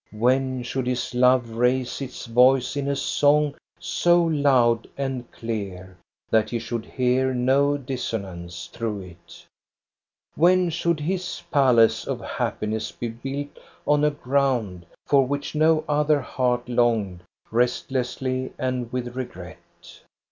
When should his love raise its voice in a song so loud and clear that he should hear no dissonance through it? When should his palace of happiness be built on a ground for which no other heart longed restlessly and with regret?